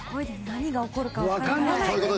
何が起こるか分からない。